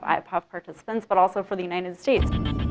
dari para pelanggan ipaf tapi juga untuk amerika serikat